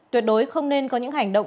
tuyệt đối không nên có những hành động